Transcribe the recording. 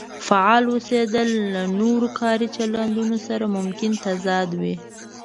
فعال اوسېدل له نورو کاري چلندونو سره ممکن تضاد کې وي.